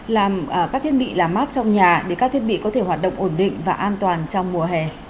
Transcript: làm các thiết bị làm mát trong nhà để các thiết bị có thể hoạt động ổn định và an toàn trong mùa hè